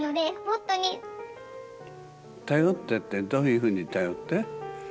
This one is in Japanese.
「頼って」ってどういうふうに頼って？